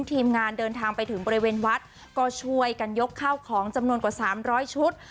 ทีมงานเดินทางไปถึงบริเวณวัดก็ช่วยกันยกข้าวของจำนวนกว่า๓๐๐ชุด